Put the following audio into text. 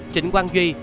trịnh quang duy